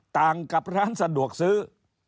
ต่างกับร้านสะดวกซื้อ